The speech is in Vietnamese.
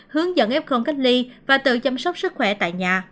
hướng dẫn f cách ly và tự chăm sóc sức khỏe tại nhà